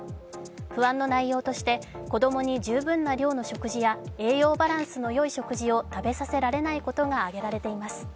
不安の内容として子供に十分な量の食事や栄養バランスのよい食事を食べさせられないことが挙げられています。